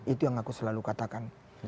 itu yang aku selalu katakan